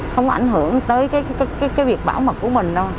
không ảnh hưởng tới cái việc bảo mật của mình đâu